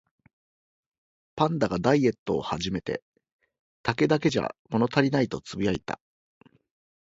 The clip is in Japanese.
パンダがダイエットを始めて、「竹だけじゃ物足りない」とつぶやいた